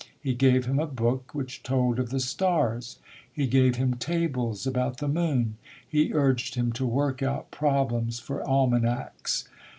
He gave him a book which told of the stars. He gave him tables about the moon. He urged him to work out problems for almanacs.